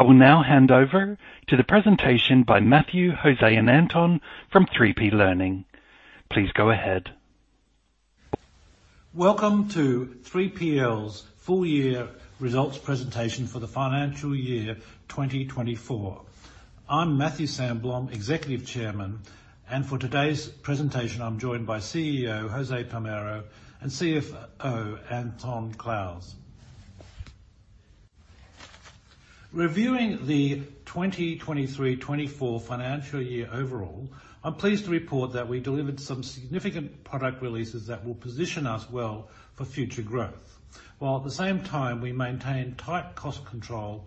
I will now hand over to the presentation by Matthew, Jose, and Anton from 3P Learning. Please go ahead. Welcome to 3PL's full-year results presentation for the financial year 2024. I'm Matthew Sandblom, Executive Chairman, and for today's presentation, I'm joined by CEO, Jose Palmero, and CFO, Anton Clowes. Reviewing the 2023-2024 financial year overall, I'm pleased to report that we delivered some significant product releases that will position us well for future growth, while at the same time, we maintained tight cost control.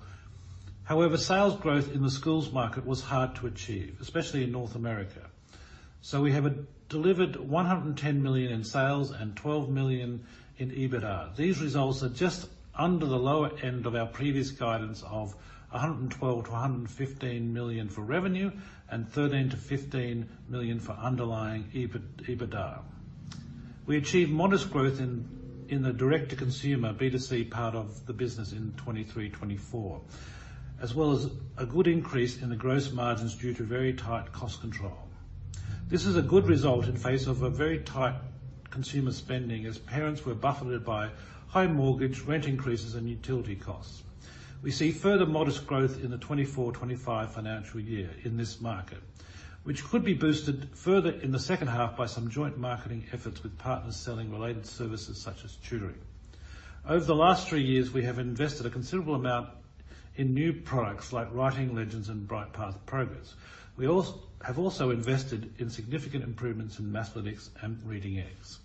However, sales growth in the schools market was hard to achieve, especially in North America. We have delivered 110 million in sales and 12 million in EBITDA. These results are just under the lower end of our previous guidance of 112 million-115 million for revenue and 13 million-15 million for underlying EBITDA. We achieved modest growth in the direct-to-consumer, B2C, part of the business in 2023, 2024, as well as a good increase in the gross margins due to very tight cost control. This is a good result in the face of a very tight consumer spending, as parents were buffeted by high mortgage, rent increases, and utility costs. We see further modest growth in the 2024, 2025 financial year in this market, which could be boosted further in the second half by some joint marketing efforts with partners selling related services, such as tutoring. Over the last three years, we have invested a considerable amount in new products like Writing Legends and Brightpath Progress. We have also invested in significant improvements in Mathletics and Reading Eggs.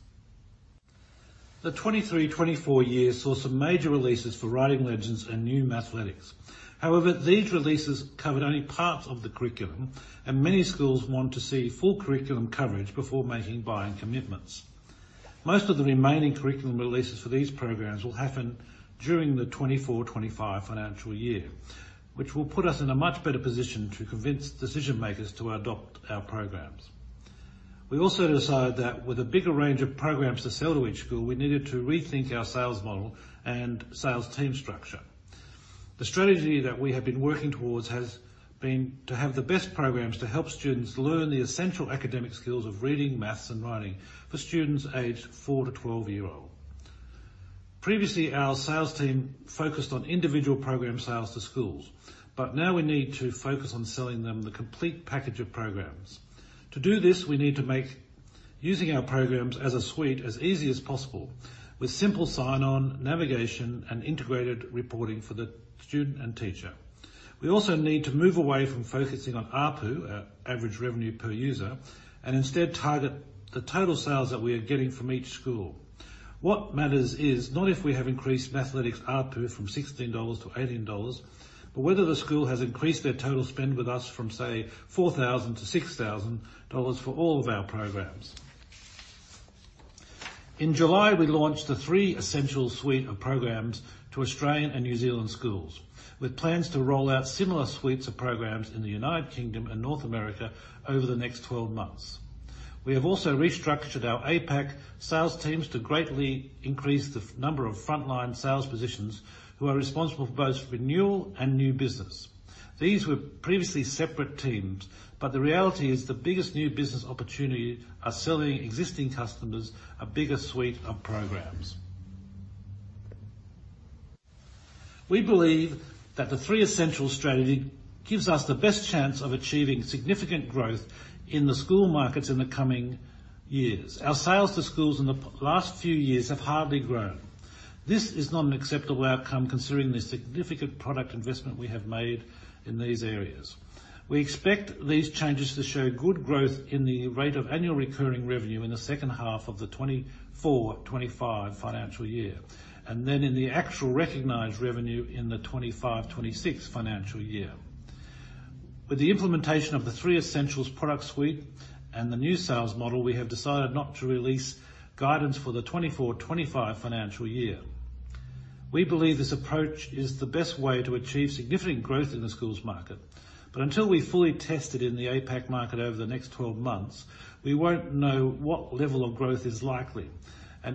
The 2023, 2024 year saw some major releases for Writing Legends and new Mathletics. However, these releases covered only parts of the curriculum, and many schools want to see full curriculum coverage before making buying commitments. Most of the remaining curriculum releases for these programs will happen during the 2024, 2025 financial year, which will put us in a much better position to convince decision-makers to adopt our programs. We also decided that with a bigger range of programs to sell to each school, we needed to rethink our sales model and sales team structure. The strategy that we have been working towards has been to have the best programs to help students learn the essential academic skills of reading, math, and writing for students aged 4 to 12-year-old. Previously, our sales team focused on individual program sales to schools, but now we need to focus on selling them the complete package of programs. To do this, we need to make using our programs as a suite as easy as possible, with simple sign-on, navigation, and integrated reporting for the student and teacher. We also need to move away from focusing on ARPU, Average Revenue Per User, and instead target the total sales that we are getting from each school. What matters is not if we have increased Mathletics ARPU from 16-18 dollars, but whether the school has increased their total spend with us from, say, 4,000-6,000 dollars for all of our programs. In July, we launched the 3 Essentials suite of programs to Australian and New Zealand schools, with plans to roll out similar suites of programs in the United Kingdom and North America over the next 12 months. We have also restructured our APAC sales teams to greatly increase the number of frontline sales positions, who are responsible for both renewal and new business. These were previously separate teams, but the reality is the biggest new business opportunity are selling existing customers a bigger suite of programs. We believe that the 3 Essentials strategy gives us the best chance of achieving significant growth in the school markets in the coming years. Our sales to schools in the last few years have hardly grown. This is not an acceptable outcome considering the significant product investment we have made in these areas. We expect these changes to show good growth in the rate of annual recurring revenue in the second half of the 2024, 2025 financial year, and then in the actual recognized revenue in the 2025, 2026 financial year. With the implementation of the 3 Essentials product suite and the new sales model, we have decided not to release guidance for the 2024-25 financial year. We believe this approach is the best way to achieve significant growth in the schools market, but until we've fully test it in the APAC market over the next 12 months, we won't know what level of growth is likely.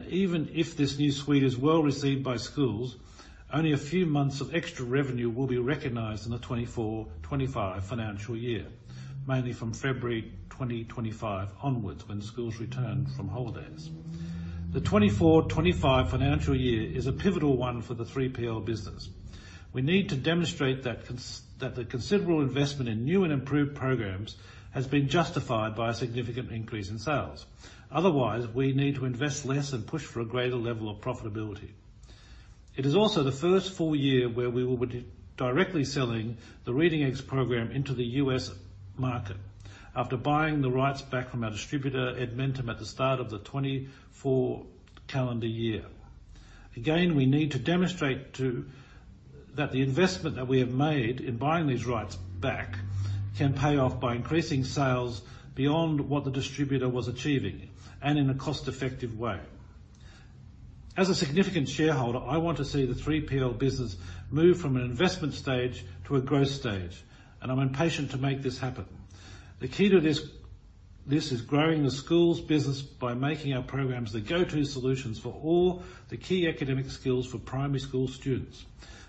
Even if this new suite is well-received by schools, only a few months of extra revenue will be recognized in the 2024-25 financial year, mainly from February 2025 onwards, when schools return from holidays. The 2024-25 financial year is a pivotal one for the 3PL business. We need to demonstrate that that the considerable investment in new and improved programs has been justified by a significant increase in sales. Otherwise, we need to invest less and push for a greater level of profitability. It is also the first full year where we will be directly selling the Reading Eggs program into the U.S. market after buying the rights back from our distributor, Edmentum, at the start of the 2024 calendar year. Again, we need to demonstrate that the investment that we have made in buying these rights back can pay off by increasing sales beyond what the distributor was achieving and in a cost-effective way. As a significant shareholder, I want to see the 3PL business move from an investment stage to a growth stage, and I'm impatient to make this happen. The key to this is growing the school's business by making our programs the go-to solutions for all the key academic skills for primary school students.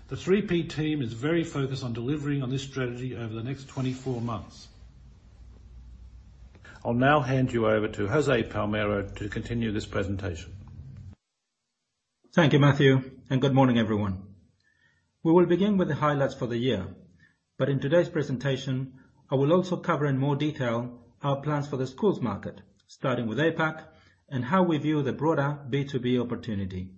The 3P team is very focused on delivering on this strategy over the next 24 months. I'll now hand you over to Jose Palmero to continue this presentation. Thank you, Matthew, and good morning, everyone. We will begin with the highlights for the year, but in today's presentation, I will also cover in more detail our plans for the schools market, starting with APAC, and how we view the broader B2B opportunity.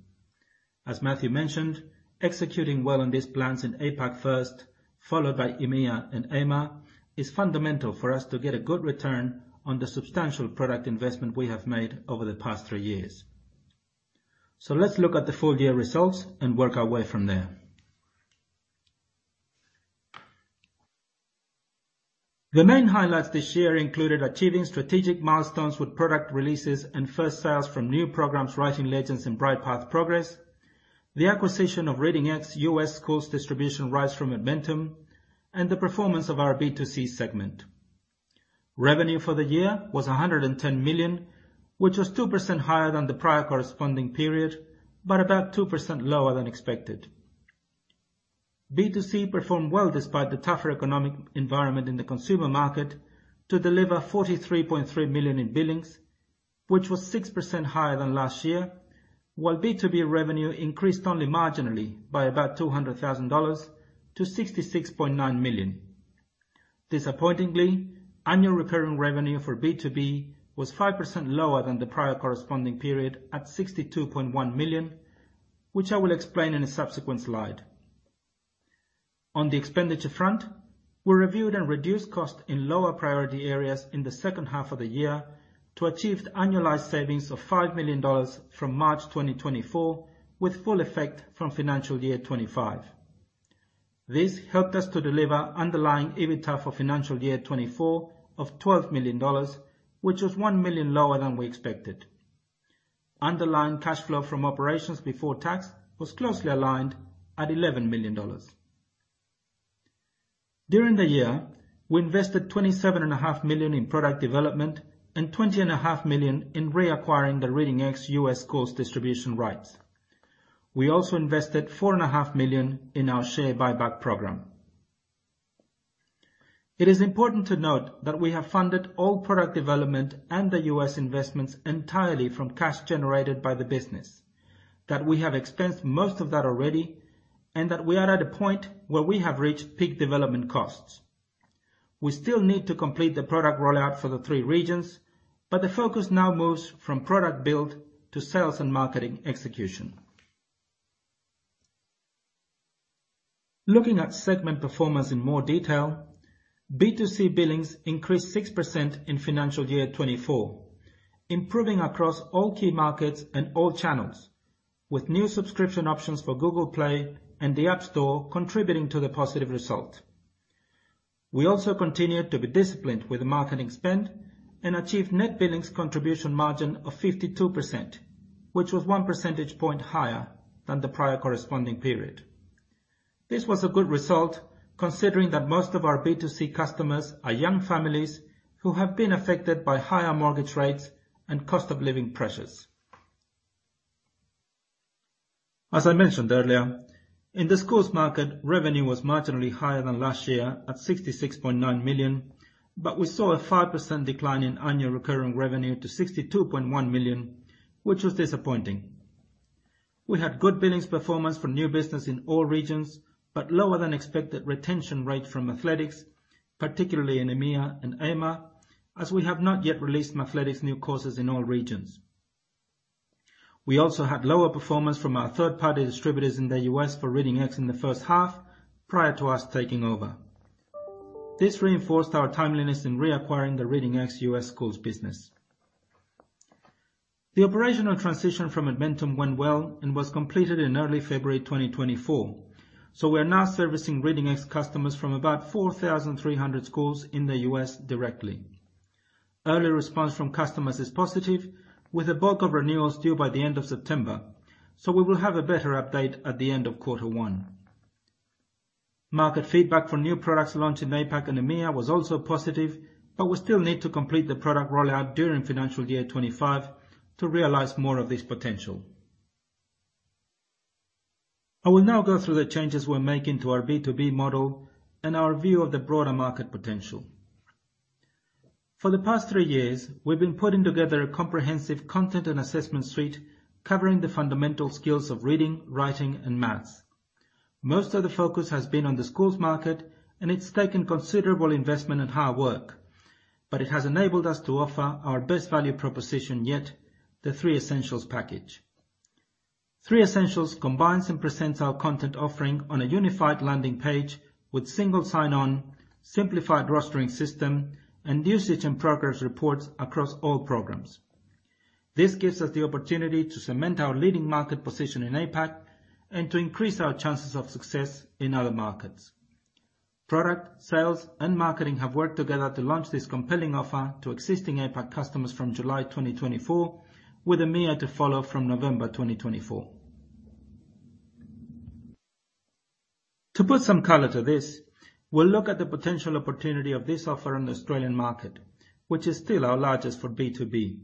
As Matthew mentioned, executing well on these plans in APAC first, followed by EMEA and AMA, is fundamental for us to get a good return on the substantial product investment we have made over the past three years. So let's look at the full year results and work our way from there. The main highlights this year included achieving strategic milestones with product releases and first sales from new programs, Writing Legends and Brightpath Progress, the acquisition of Reading Eggs U.S. schools distribution rights from Edmentum, and the performance of our B2C segment. Revenue for the year was 110 million, which was 2% higher than the prior corresponding period, but about 2% lower than expected. B2C performed well despite the tougher economic environment in the consumer market, to deliver 43.3 million in billings, which was 6% higher than last year, while B2B revenue increased only marginally by about 200,000-66.9 million dollars. Disappointingly, annual recurring revenue for B2B was 5% lower than the prior corresponding period at 62.1 million, which I will explain in a subsequent slide. On the expenditure front, we reviewed and reduced costs in lower priority areas in the second half of the year to achieve annualized savings of 5 million dollars from March 2024, with full effect from financial year 2025. This helped us to deliver underlying EBITDA for financial year 2024 of 12 million dollars, which was 1 million lower than we expected. Underlying cash flow from operations before tax was closely aligned at 11 million dollars. During the year, we invested 27.5 million in product development and 20.5 million in reacquiring the Reading Eggs U.S. schools distribution rights. We also invested 4.5 million in our share buyback program. It is important to note that we have funded all product development and the U.S. investments entirely from cash generated by the business, that we have expensed most of that already, and that we are at a point where we have reached peak development costs. We still need to complete the product rollout for the three regions, but the focus now moves from product build to sales and marketing execution. Looking at segment performance in more detail, B2C billings increased 6% in financial year 2024, improving across all key markets and all channels, with new subscription options for Google Play and the App Store contributing to the positive result. We also continued to be disciplined with marketing spend and achieved net billings contribution margin of 52%, which was one percentage point higher than the prior corresponding period. This was a good result, considering that most of our B2C customers are young families who have been affected by higher mortgage rates and cost of living pressures. As I mentioned earlier, in the schools market, revenue was marginally higher than last year at 66.9 million, but we saw a 5% decline in annual recurring revenue to 62.1 million, which was disappointing. We had good billings performance from new business in all regions, but lower than expected retention rates from Mathletics, particularly in EMEA and AMA, as we have not yet released Mathletics new courses in all regions. We also had lower performance from our third-party distributors in the US for Reading Eggs in the first half, prior to us taking over. This reinforced our timeliness in reacquiring the Reading Eggs US schools business. The operational transition from Edmentum went well and was completed in early February 2024, so we are now servicing Reading Eggs customers from about 4,300 schools in the US directly. Early response from customers is positive, with the bulk of renewals due by the end of September, so we will have a better update at the end of quarter one. Market feedback from new products launched in APAC and EMEA was also positive, but we still need to complete the product rollout during financial year 25 to realize more of this potential. I will now go through the changes we're making to our B2B model and our view of the broader market potential. For the past three years, we've been putting together a comprehensive content and assessment suite covering the fundamental skills of reading, writing, and math. Most of the focus has been on the schools market, and it's taken considerable investment and hard work, but it has enabled us to offer our best value proposition yet, the 3 Essentials package. 3 Essentials combines and presents our content offering on a unified landing page with single sign-on, simplified rostering system, and usage and progress reports across all programs. This gives us the opportunity to cement our leading market position in APAC and to increase our chances of success in other markets. Product, sales, and marketing have worked together to launch this compelling offer to existing APAC customers from July 2024, with EMEA to follow from November 2024. To put some color to this, we'll look at the potential opportunity of this offer in the Australian market, which is still our largest for B2B.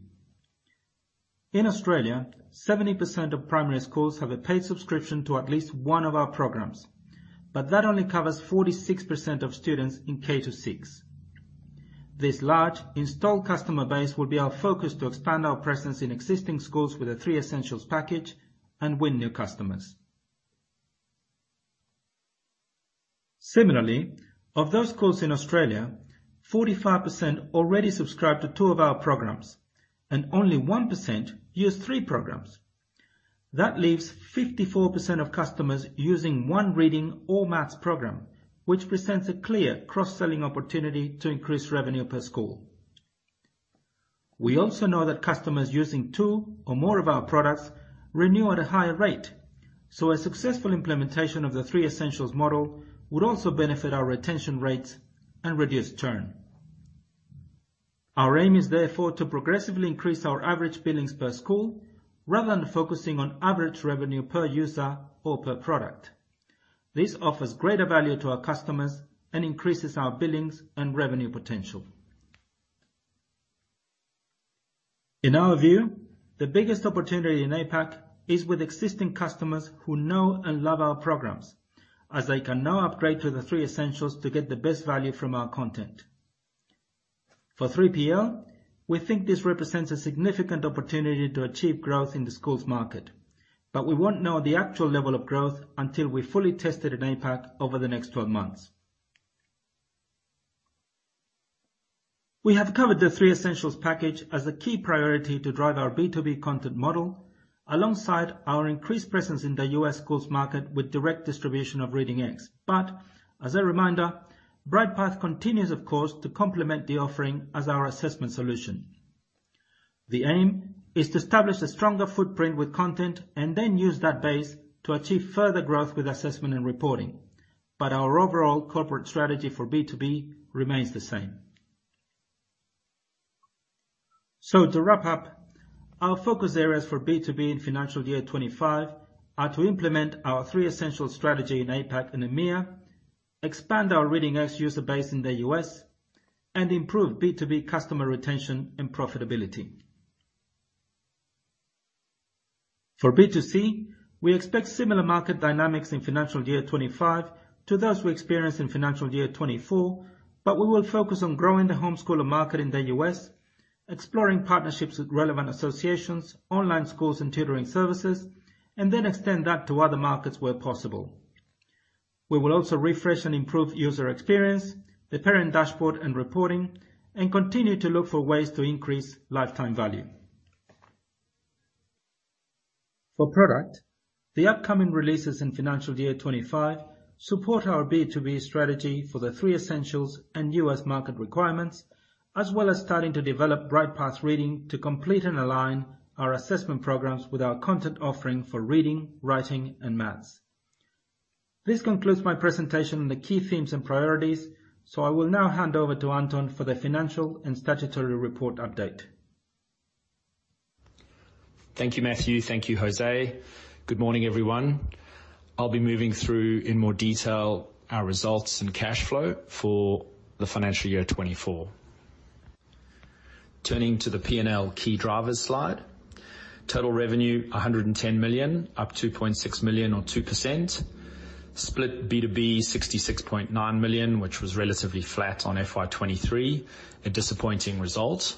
In Australia, 70% of primary schools have a paid subscription to at least one of our programs, but that only covers 46% of students in K to six. This large installed customer base will be our focus to expand our presence in existing schools with the 3 Essentials package and win new customers. Similarly, of those schools in Australia, 45% already subscribe to two of our programs and only 1% use three programs. That leaves 54% of customers using one reading or math program, which presents a clear cross-selling opportunity to increase revenue per school. We also know that customers using two or more of our products renew at a higher rate, so a successful implementation of the 3 Essentials model would also benefit our retention rates and reduce churn. Our aim is, therefore, to progressively increase our average billings per school, rather than focusing on average revenue per user or per product. This offers greater value to our customers and increases our billings and revenue potential. In our view, the biggest opportunity in APAC is with existing customers who know and love our programs, as they can now upgrade to the 3 Essentials to get the best value from our content. For 3PL, we think this represents a significant opportunity to achieve growth in the schools market, but we won't know the actual level of growth until we've fully tested in APAC over the next 12 months. We have covered the 3 Essentials package as a key priority to drive our B2B content model, alongside our increased presence in the U.S. schools market with direct distribution of Reading Eggs. But as a reminder, Brightpath continues, of course, to complement the offering as our assessment solution. The aim is to establish a stronger footprint with content and then use that base to achieve further growth with assessment and reporting, but our overall corporate strategy for B2B remains the same. So to wrap up, our focus areas for B2B in financial year 25 are to implement our 3 Essentials strategy in APAC and EMEA, expand our Reading Eggs user base in the US, and improve B2B customer retention and profitability. For B2C, we expect similar market dynamics in financial year 25 to those we experienced in financial year 24, but we will focus on growing the homeschooler market in the US, exploring partnerships with relevant associations, online schools, and tutoring services, and then extend that to other markets where possible. We will also refresh and improve user experience, the parent dashboard and reporting, and continue to look for ways to increase lifetime value. For product, the upcoming releases in financial year 25 support our B2B strategy for the 3 Essentials and US market requirements, as well as starting to develop Brightpath Reading to complete and align our assessment programs with our content offering for reading, writing, and math. This concludes my presentation on the key themes and priorities, so I will now hand over to Anton for the financial and statutory report update. Thank you, Matthew. Thank you, Jose. Good morning, everyone. I'll be moving through in more detail our results and cash flow for the financial year 2024. Turning to the P&L key drivers slide. Total revenue, 110 million, up 2.6 million or 2%. Split B2B, 66.9 million, which was relatively flat on FY 2023, a disappointing result.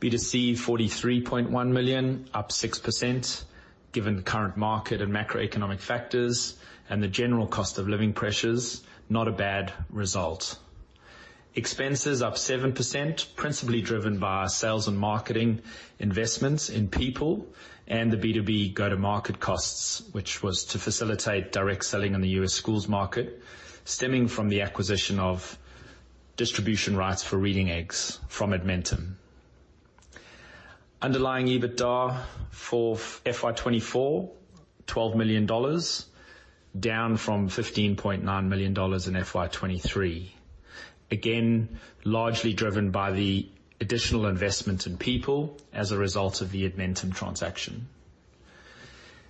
B2C, 43.1 million, up 6%, given the current market and macroeconomic factors and the general cost of living pressures, not a bad result. Expenses up 7%, principally driven by sales and marketing investments in people and the B2B go-to-market costs, which was to facilitate direct selling in the US schools market, stemming from the acquisition of distribution rights for Reading Eggs from Edmentum. Underlying EBITDA for FY 2024, AUD 12 million, down from AUD 15.9 million in FY 2023. Again, largely driven by the additional investment in people as a result of the Edmentum transaction.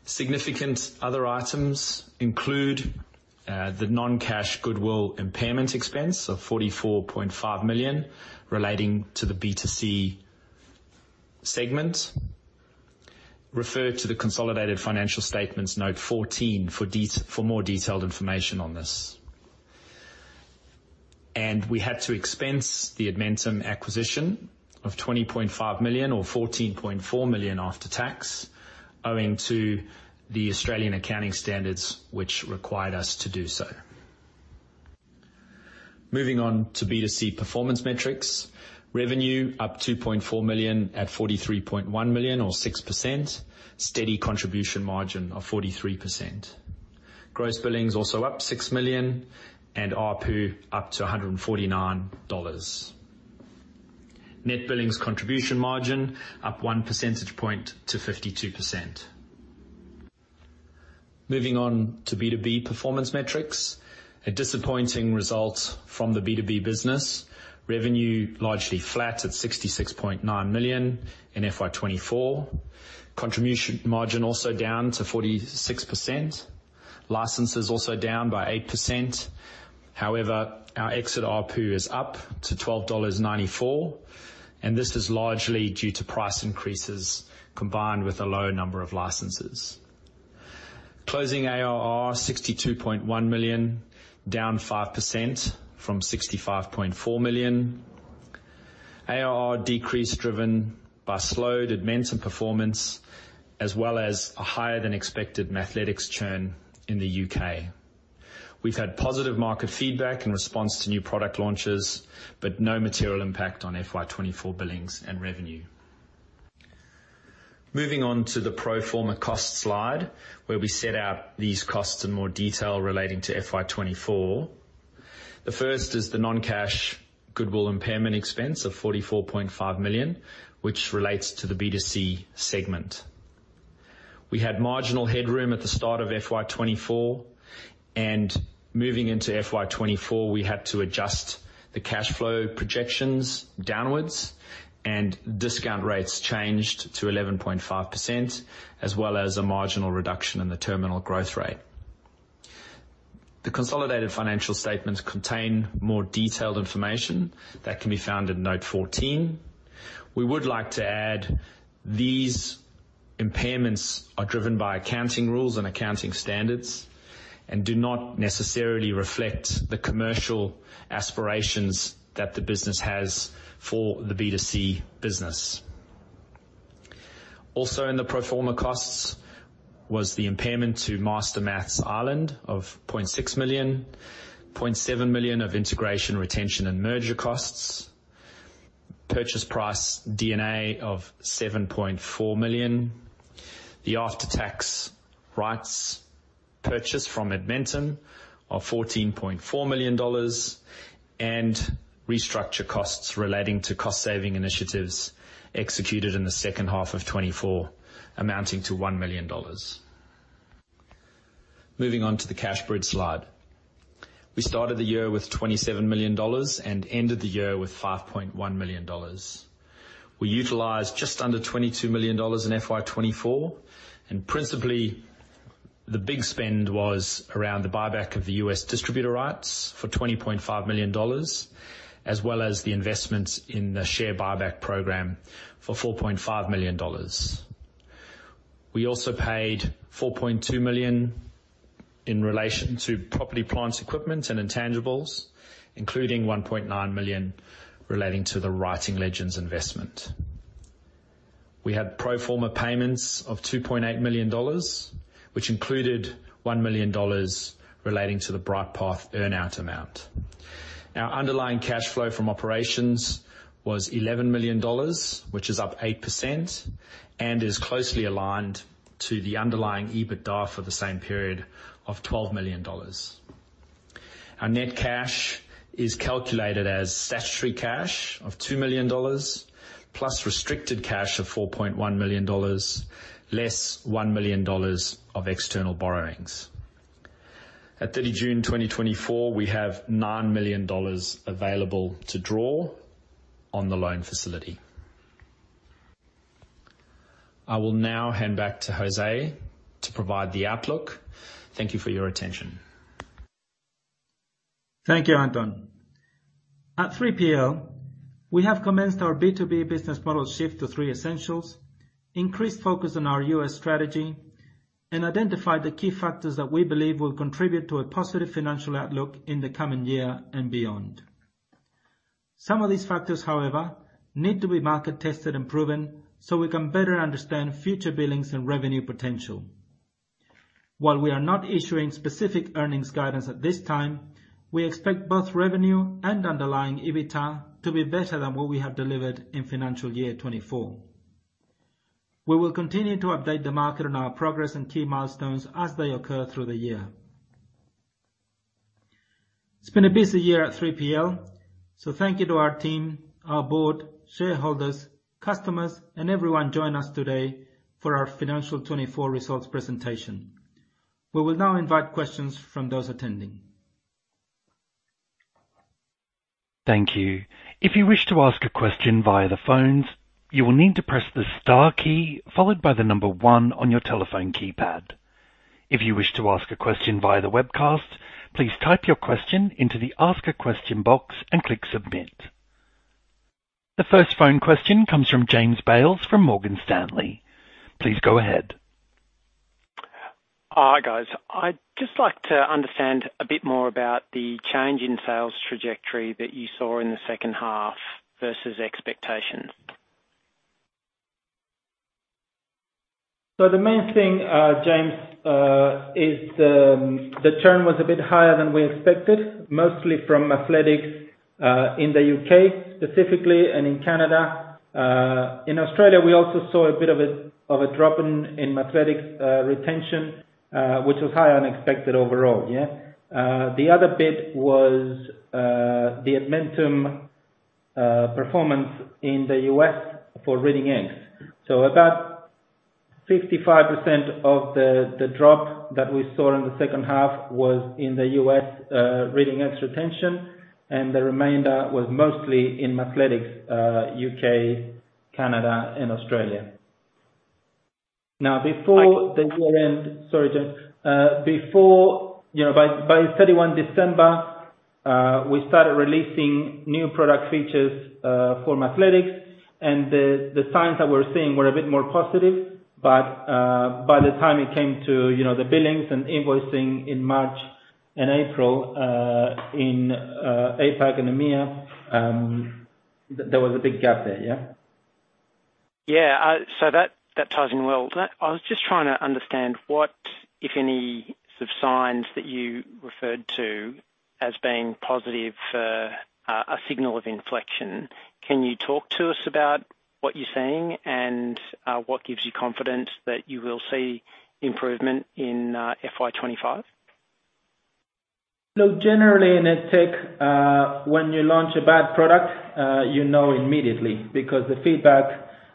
Significant other items include the non-cash goodwill impairment expense of 44.5 million, relating to the B2C segment. Refer to the consolidated financial statements, note 14, for more detailed information on this. And we had to expense the Edmentum acquisition of 20.5 million, or 14.4 million after tax, owing to the Australian Accounting Standards, which required us to do so. Moving on to B2C performance metrics. Revenue up 2.4 million at 43.1 million or 6%. Steady contribution margin of 43%. Gross billings also up 6 million, and ARPU up to 149 dollars. Net billings contribution margin up one percentage point to 52%. Moving on to B2B performance metrics. A disappointing result from the B2B business. Revenue largely flat at 66.9 million in FY 2024. Contribution margin also down to 46%. Licenses also down by 8%. However, our exit ARPU is up to 12.94 dollars, and this is largely due to price increases, combined with a lower number of licenses. Closing ARR, 62.1 million, down 5% from 65.4 million. ARR decrease, driven by slow Edmentum performance, as well as a higher than expected Mathletics churn in the UK. We've had positive market feedback in response to new product launches, but no material impact on FY 2024 billings and revenue. Moving on to the pro forma cost slide, where we set out these costs in more detail relating to FY 2024. The first is the non-cash goodwill impairment expense of 44.5 million, which relates to the B2C segment. We had marginal headroom at the start of FY 2024, and moving into FY 2024, we had to adjust the cash flow projections downwards and discount rates changed to 11.5%, as well as a marginal reduction in the terminal growth rate. The consolidated financial statements contain more detailed information that can be found in Note 14. We would like to add, these impairments are driven by accounting rules and accounting standards and do not necessarily reflect the commercial aspirations that the business has for the B2C business. Also, in the pro forma costs was the impairment to Master Maths Ireland of $0.6 million, $0.7 million of integration, retention, and merger costs, purchase price D&A of $7.4 million, the after-tax rights purchase from Edmentum of $14.4 million, and restructure costs relating to cost-saving initiatives executed in the second half of 2024, amounting to $1 million. Moving on to the cash bridge slide. We started the year with $27 million and ended the year with $5.1 million. We utilized just under $22 million in FY 2024, and principally, the big spend was around the buyback of the US distributor rights for $20.5 million, as well as the investments in the share buyback program for $4.5 million. We also paid 4.2 million in relation to property, plant, equipment, and intangibles, including 1.9 million relating to the Writing Legends investment. We had pro forma payments of 2.8 million dollars, which included 1 million dollars relating to the Brightpath earn out amount. Our underlying cash flow from operations was AUD 11 million, which is up 8% and is closely aligned to the underlying EBITDA for the same period of 12 million dollars. Our net cash is calculated as statutory cash of 2 million dollars, plus restricted cash of 4.1 million dollars, less 1 million dollars of external borrowings. At 30 June 2024, we have 9 million dollars available to draw on the loan facility. I will now hand back to Jose to provide the outlook. Thank you for your attention. Thank you, Anton. At 3PL, we have commenced our B2B business model shift to 3 Essentials, increased focus on our U.S. strategy, and identified the key factors that we believe will contribute to a positive financial outlook in the coming year and beyond. Some of these factors, however, need to be market-tested and proven so we can better understand future billings and revenue potential. While we are not issuing specific earnings guidance at this time, we expect both revenue and underlying EBITDA to be better than what we have delivered in financial year 2024. We will continue to update the market on our progress and key milestones as they occur through the year. It's been a busy year at 3PL, so thank you to our team, our board, shareholders, customers, and everyone joining us today for our financial 2024 results presentation. We will now invite questions from those attending. Thank you. If you wish to ask a question via the phones, you will need to press the star key followed by the number 1 on your telephone keypad. If you wish to ask a question via the webcast, please type your question into the Ask a Question box and click Submit. The first phone question comes from James Bales from Morgan Stanley. Please go ahead. Hi, guys. I'd just like to understand a bit more about the change in sales trajectory that you saw in the second half versus expectations. So the main thing, James, is the churn was a bit higher than we expected, mostly from Mathletics in the UK specifically and in Canada. In Australia, we also saw a bit of a drop in Mathletics retention, which was higher than expected overall, yeah. The other bit was the Edmentum performance in the US for Reading Eggs. So about-... 55% of the drop that we saw in the second half was in the US Reading Eggs, and the remainder was mostly in Mathletics, UK, Canada, and Australia. Now, before the year end, sorry, James, before you know, by 31 December, we started releasing new product features for Mathletics, and the signs that we're seeing were a bit more positive. But by the time it came to you know, the billings and invoicing in March and April in APAC and EMEA, there was a big gap there, yeah? Yeah. So that, that ties in well. I was just trying to understand what, if any, sort of signs that you referred to as being positive for a signal of inflection. Can you talk to us about what you're seeing and what gives you confidence that you will see improvement in FY 25? So generally in EdTech, when you launch a bad product, you know immediately, because the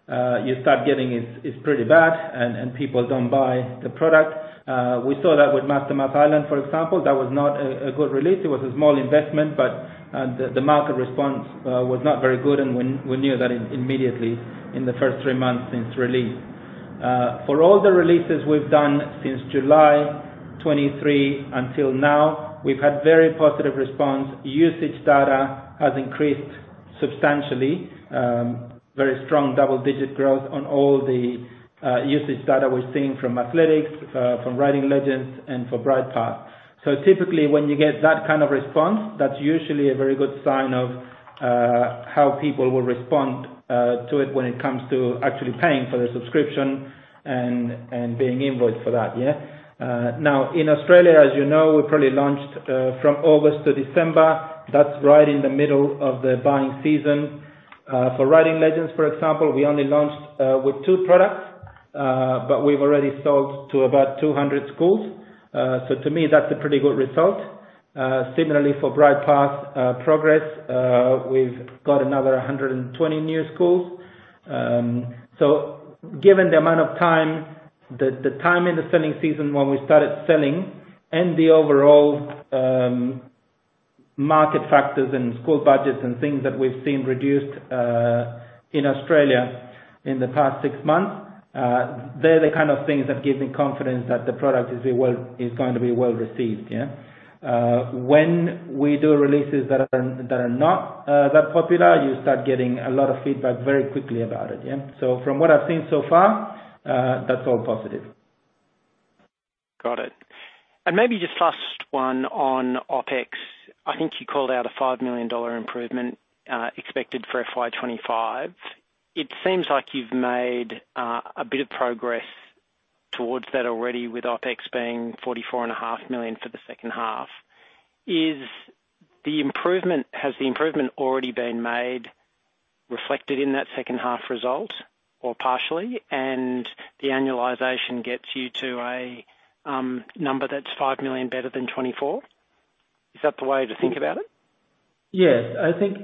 feedback you start getting is pretty bad, and people don't buy the product. We saw that with Master Maths Ireland, for example. That was not a good release. It was a small investment, but the market response was not very good, and we knew that immediately in the first three months since release. For all the releases we've done since July 2023 until now, we've had very positive response. Usage data has increased substantially, very strong double-digit growth on all the usage data we're seeing from Mathletics, from Writing Legends, and for Brightpath. So typically, when you get that kind of response, that's usually a very good sign of how people will respond to it when it comes to actually paying for the subscription and being invoiced for that, yeah? Now, in Australia, as you know, we probably launched from August to December. That's right in the middle of the buying season. For Writing Legends, for example, we only launched with two products, but we've already sold to about 200 schools. So to me, that's a pretty good result. Similarly for Brightpath Progress, we've got another 120 new schools. So given the amount of time, the time in the selling season when we started selling and the overall market factors and school budgets and things that we've seen reduced in Australia in the past six months, they're the kind of things that give me confidence that the product is going to be well received, yeah? When we do releases that are not that popular, you start getting a lot of feedback very quickly about it, yeah? So from what I've seen so far, that's all positive. Got it. And maybe just last one on OpEx. I think you called out a 5 million dollar improvement expected for FY 2025. It seems like you've made a bit of progress towards that already, with OpEx being 44.5 million for the second half. Is the improvement... Has the improvement already been made reflected in that second half result, or partially, and the annualization gets you to a number that's 5 million better than 2024? Is that the way to think about it? Yes. I think,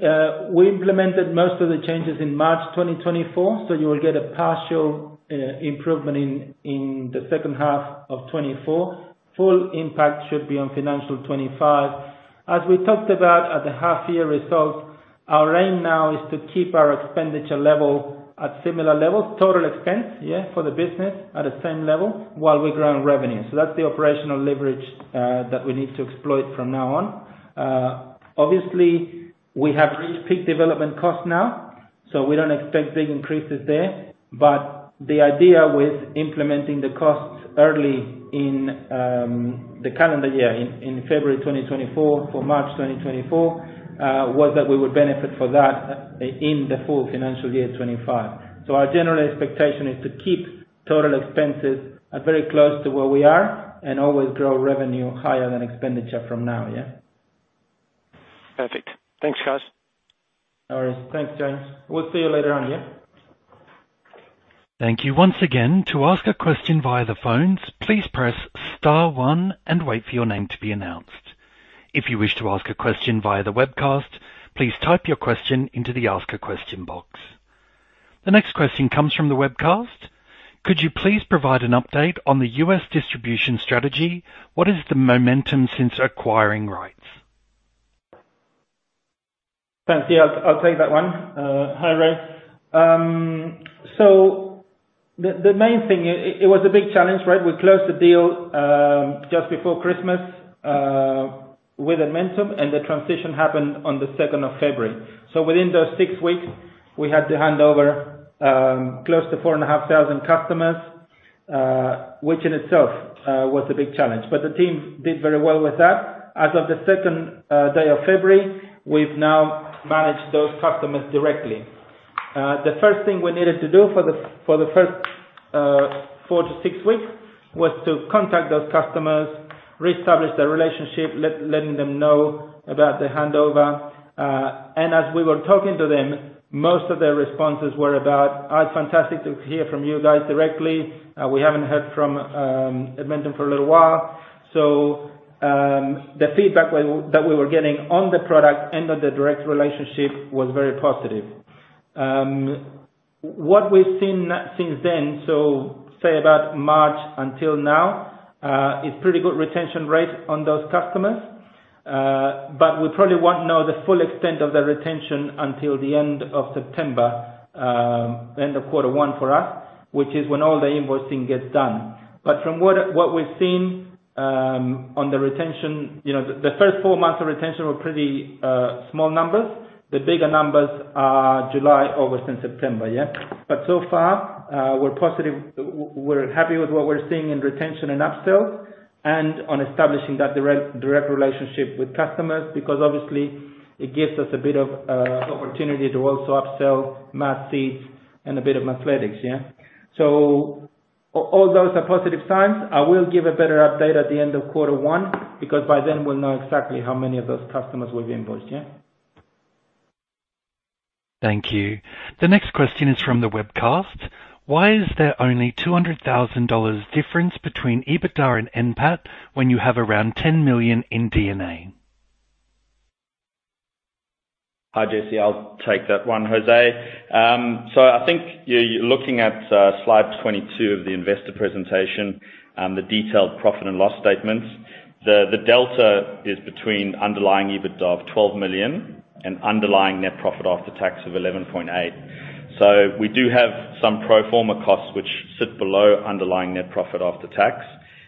we implemented most of the changes in March 2024, so you will get a partial, improvement in, in the second half of 2024. Full impact should be on financial 2025. As we talked about at the half year results, our aim now is to keep our expenditure level at similar levels, total expense, yeah, for the business, at the same level while we grow in revenue. So that's the operational leverage, that we need to exploit from now on. Obviously, we have reached peak development costs now, so we don't expect big increases there. But the idea with implementing the costs early in, the calendar year, in, in February 2024 or March 2024, was that we would benefit for that i- in the full financial year 2025. Our general expectation is to keep total expenses at very close to where we are and always grow revenue higher than expenditure from now, yeah? Perfect. Thanks, guys. All right. Thanks, James. We'll see you later on, yeah? Thank you once again. To ask a question via the phones, please press star one and wait for your name to be announced. If you wish to ask a question via the webcast, please type your question into the Ask a Question box. The next question comes from the webcast. Could you please provide an update on the U.S. distribution strategy? What is the momentum since acquiring rights? Thanks. Yeah, I'll take that one. Hi, Ray. So the main thing, it was a big challenge, right? We closed the deal just before Christmas with Edmentum, and the transition happened on the second of February. So within those 6 weeks, we had to hand over close to 4,500 customers, which in itself was a big challenge. But the team did very well with that. As of the second day of February, we've now managed those customers directly. The first thing we needed to do for the first 4-6 weeks was to contact those customers, reestablish the relationship, letting them know about the handover. And as we were talking to them, most of their responses were about, "Fantastic to hear from you guys directly. We haven't heard from Edmentum for a little while. So, the feedback that we were getting on the product and on the direct relationship was very positive. What we've seen since then, so say about March until now, is pretty good retention rate on those customers. But we probably won't know the full extent of the retention until the end of September, end of quarter one for us, which is when all the invoicing gets done. But from what we've seen, on the retention, you know, the first four months of retention were pretty small numbers. The bigger numbers are July, August, and September, yeah? But so far, we're positive. We're happy with what we're seeing in retention and upsells, and on establishing that direct relationship with customers, because obviously it gives us a bit of opportunity to also upsell Mathseeds and a bit of Mathletics, yeah? So all those are positive signs. I will give a better update at the end of quarter one, because by then we'll know exactly how many of those customers we've invoiced, yeah? Thank you. The next question is from the webcast: Why is there only 200,000 dollars difference between EBITDA and NPAT when you have around 10 million in D&A? Hi, Jesse, I'll take that one, Jose. So I think you're, you're looking at slide 22 of the investor presentation, the detailed profit and loss statements. The delta is between underlying EBITDA of 12 million and underlying net profit after tax of 11.8. So we do have some pro forma costs which sit below underlying net profit after tax,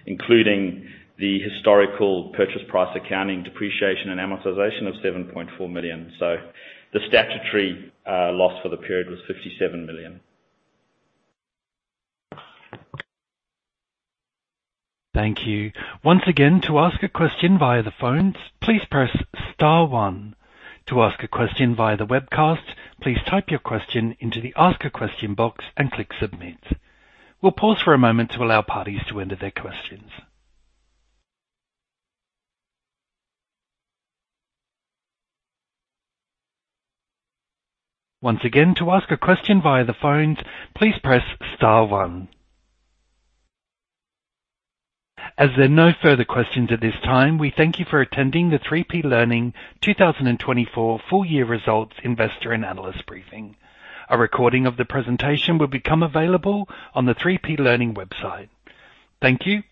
including the historical purchase price, accounting, depreciation, and amortization of 7.4 million. So the statutory loss for the period was 57 million. Thank you. Once again, to ask a question via the phone, please press star one. To ask a question via the webcast, please type your question into the Ask a Question box and click Submit. We'll pause for a moment to allow parties to enter their questions. Once again, to ask a question via the phone, please press star one. As there are no further questions at this time, we thank you for attending the 3P Learning 2024 full year results investor and analyst briefing. A recording of the presentation will become available on the 3P Learning website. Thank you.